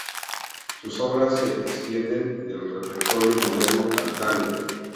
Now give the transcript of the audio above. Sus obras se extienden del repertorio moderno al tango.